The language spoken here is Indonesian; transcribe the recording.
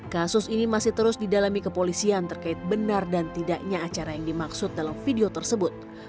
kasus ini masih terus didalami kepolisian terkait benar dan tidaknya acara yang dimaksud dalam video tersebut